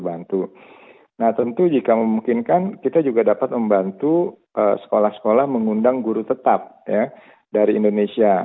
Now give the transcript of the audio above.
dan tentu jika memungkinkan kita juga dapat membantu sekolah sekolah mengundang guru tetap ya dari indonesia